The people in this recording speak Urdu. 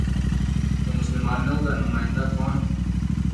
تو مسلمانوں کا نمائندہ کون ہے؟